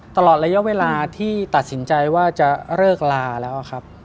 ตลอดระยะเวลาที่ตัดสินใจว่าจะเลิกลาแล้วครับ